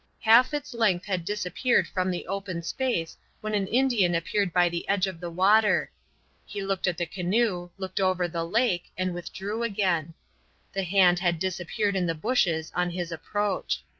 Half its length had disappeared from the open space, when an Indian appeared by the edge of the water. He looked at the canoe, looked over the lake, and withdrew again. The hand had disappeared in the bushes on his approach.